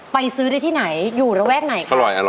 ไปซื้อได้ที่ไหนอยู่ระแวกไหนครับอร่อย